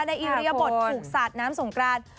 ในอิวเรียบบทผูกสัตว์น้ำสงกราศ